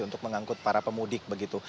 untuk mengangkut para pemudik begitu